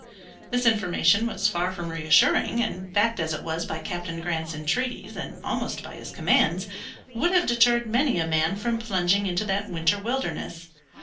This information was far from reassuring, and, backed as it was by Captain Grant's entreaties and almost by his commands, would have deterred many a man from plunging into that winter wilderness.